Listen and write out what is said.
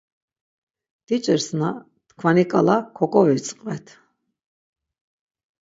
Diç̌irsna tkvani ǩala koǩovitzqvert.